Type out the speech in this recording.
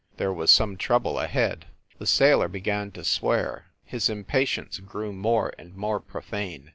There was some trouble ahead. The sailor began to swear. His impatience grew more and more profane.